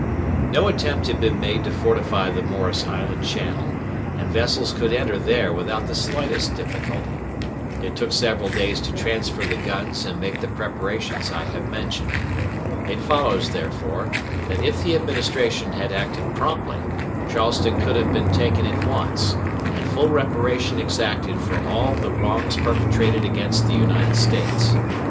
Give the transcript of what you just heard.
No attempt had been made to fortify the Morris Island channel, and vessels could enter there without the slightest difficulty. It took several days to transfer the guns and make the preparations I have mentioned. It follows, therefore, that if the Administration had acted promptly, Charleston could have been taken at once, and full reparation exacted for all the wrongs perpetrated against the United States.